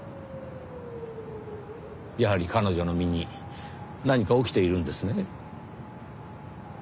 やはり彼女の身に何か起きているんですね？